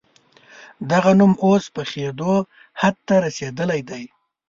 دغه نوم اوس پخېدو حد ته رسېدلی دی.